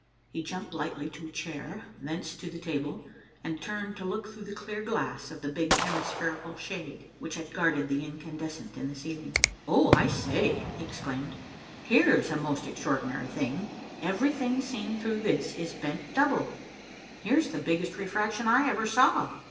He jumped lightly to a chair, thence to the table, and turned to look through the clear glass of the big hemispherical shade, which had guarded the incandescent in the ceiling. "Oh, I say," he exclaimed, "here's a most extraordinary thing. Everything seen through this is bent double. Here's the biggest refraction I ever saw.